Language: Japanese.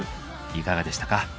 いかがでしたか？